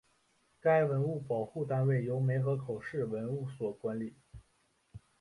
该文物保护单位由梅河口市文物所管理。